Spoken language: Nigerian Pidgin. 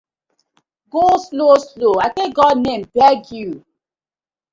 Go slow slow I tak God name beg yu.